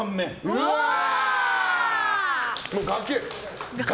うわー！崖。